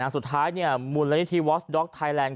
สุดท้ายเนี่ยมูลละอิทธิวอสดอกไทยแลนด์